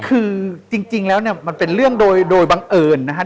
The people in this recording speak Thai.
คือจริงแล้วเนี่ยมันเป็นเรื่องโดยบังเอิญนะครับ